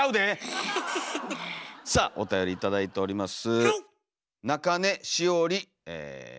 さあおたより頂いております。